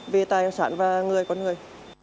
về tai sản và người con người